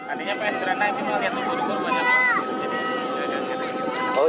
adanya pengen berenang jadi melihat ubur ubur banyak